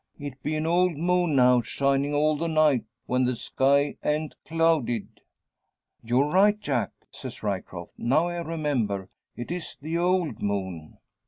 "It be an old moon now shining all the night, when the sky an't clouded." "You're right, Jack!" says Ryecroft. "Now I remember; it is the old moon."